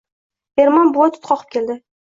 Ermon buva tut qoqib berdi.